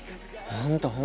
本当。